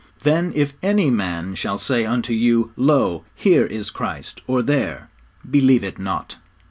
'_Then if any man shall say unto you, Lo, here is Christ, or there; believe it not.